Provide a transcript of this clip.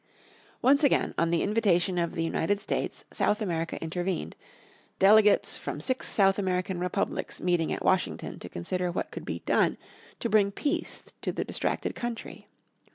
Once again on the invitation of the United States South America intervened, delegates from six South American republics meeting at Washington to consider what could be done to bring peace to the distracted country.